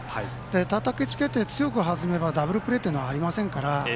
たたきつけて、強く弾めばダブルプレーというのはありませんから。